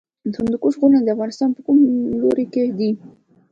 د هندوکش غرونه د افغانستان په کوم لوري کې دي؟